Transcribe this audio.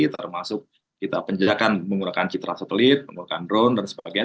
termasuk kita penjajakan menggunakan citra satelit menggunakan drone dan sebagainya